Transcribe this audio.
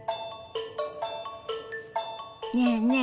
ねえねえ